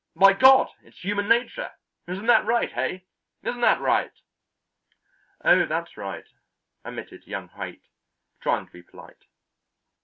By God! it's human nature. Isn't that right, hey? Isn't that right?" "Oh, that's right," admitted young Haight, trying to be polite.